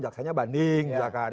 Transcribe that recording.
jaksanya banding gitu kan